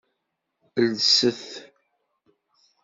Lset.